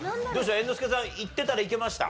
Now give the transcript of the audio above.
猿之助さんいってたらいけました？